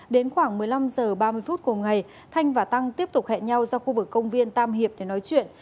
đến khoảng một mươi năm h ba mươi phút cùng ngày thanh và tăng tiếp tục hẹn nhau ra khu vực công viên tam hiệp để nói chuyện